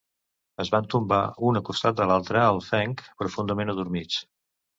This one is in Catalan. Es van tombar un a costat de l'altre al fenc, profundament adormits.